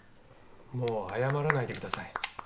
もう謝らないでください。